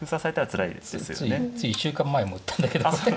つい１週間前も打ったんだけどこれ。